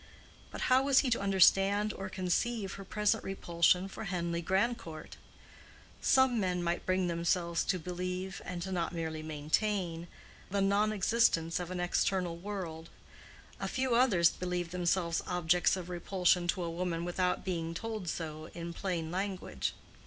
But how was he to understand or conceive her present repulsion for Henleigh Grandcourt? Some men bring themselves to believe, and not merely maintain, the non existence of an external world; a few others believe themselves objects of repulsion to a woman without being told so in plain language.